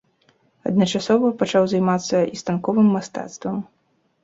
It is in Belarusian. Адначасова пачаў займацца і станковым мастацтвам.